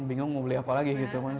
bingung mau beli apa lagi gitu mas